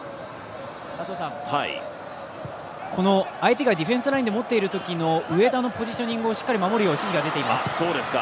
この相手がディフェンスラインで持ってるときの上田のポジショニングをしっかり守るよう指示が出ています。